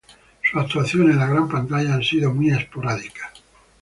Sus actuaciones en la gran pantalla han sido muy esporádicas.